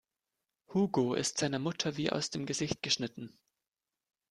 Hugo ist seiner Mutter wie aus dem Gesicht geschnitten.